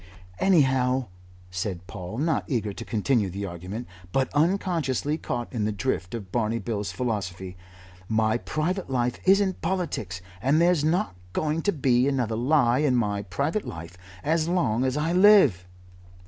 "Anyhow," said Paul, not eager to continue the argument, but unconsciously caught in the drift of Barney Bill's philosophy, "my private life isn't politics, and there's not going to be another lie in my private life as long as I live."